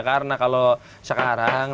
karena kalau sekarang